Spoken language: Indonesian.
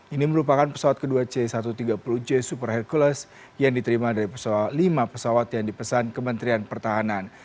ini merupakan pesawat kedua c satu ratus tiga puluh j super hercules yang diterima dari lima pesawat yang dipesan kementerian pertahanan